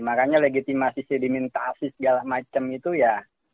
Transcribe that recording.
makanya legitimasi sedimentasi segala macam itu ya